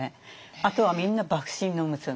あとはみんな幕臣の娘。